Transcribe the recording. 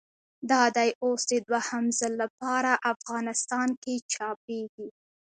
دا دی اوس د دوهم ځل له پاره افغانستان کښي چاپېږي.